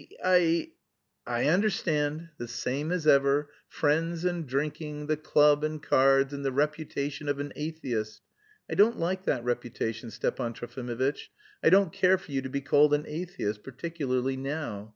"I understand. The same as ever, friends and drinking, the club and cards, and the reputation of an atheist. I don't like that reputation, Stepan Trofimovitch; I don't care for you to be called an atheist, particularly now.